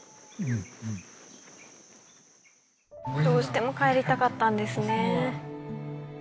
どうしても帰りたかったんですね。